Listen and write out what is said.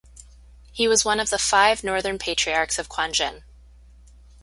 He was one of the Five Northern Patriarchs of Quanzhen.